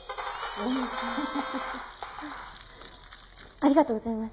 「」ありがとうございます。